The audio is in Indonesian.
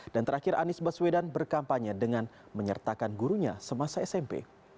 dan terakhir anies baswedan berkampanye dengan menyertakan gurunya semasa smp